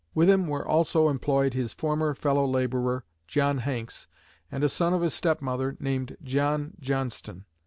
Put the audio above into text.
With him were also employed his former fellow laborer, John Hanks, and a son of his step mother named John Johnston.